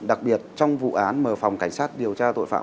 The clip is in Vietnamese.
đặc biệt trong vụ án mở phòng cảnh sát điều tra tội phạm